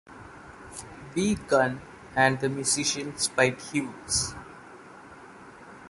B. Gunn and the musician Spike Hughes.